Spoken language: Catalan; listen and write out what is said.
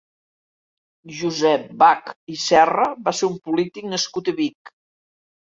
Josep Bach i Serra va ser un polític nascut a Vic.